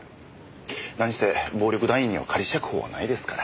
何せ暴力団員には仮釈放はないですから。